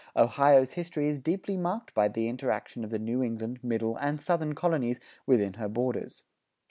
Ohio's history is deeply marked by the interaction of the New England, Middle, and Southern colonies within her borders.